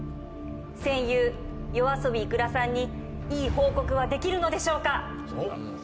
戦友ＹＯＡＳＯＢＩｉｋｕｒａさんにいい報告はできるのでしょうか？